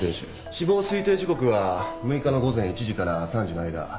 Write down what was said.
死亡推定時刻は６日の午前１時から３時の間。